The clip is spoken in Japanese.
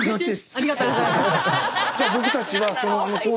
ありがとうございます。